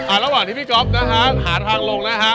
อ่าระหว่างที่พี่กรอบนะครับหาทางลงนะฮะ